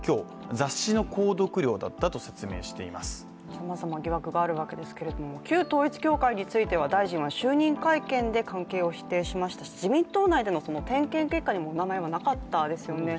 さまざま疑惑があるわけですけど、旧統一教会については大臣は就任会見で、関係を否定しましたし自民党内での点検結果でも名前はなかったですよね。